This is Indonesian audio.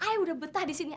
ibu udah betah di sini